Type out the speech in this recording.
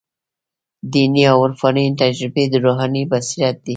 دیني او عرفاني تجربې د روحاني بصیرت دي.